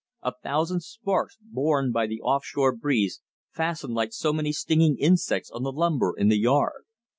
A thousand sparks, borne by the off shore breeze, fastened like so many stinging insects on the lumber in the yard.